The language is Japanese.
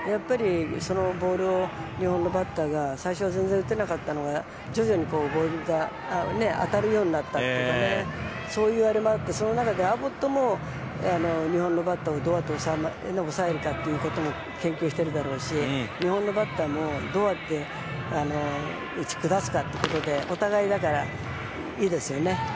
ボールを日本のバッターが最初、全然打てなかったのが徐々に当たるようになったというかそういうこともあって、その中でアボットも日本のバットをどうやって抑えるかということも研究しているだろうし日本のバッターも、どうやって打ち崩すかっていうことでお互い、いいですよね。